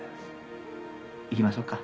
行きましょうか。